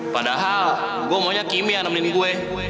padahal gue maunya kimi yang nemenin gue